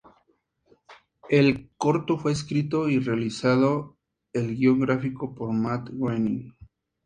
El corto fue escrito y realizado el guion gráfico por Matt Groening.